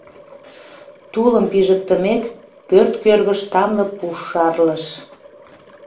Тулым пижыктымек, пӧрт кӧргыш тамле пуш шарлыш.